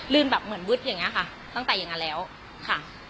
ลื่นแบบเหมือนวึดอย่างเงี้ยค่ะตั้งแต่อย่างเงี้ยแล้วค่ะ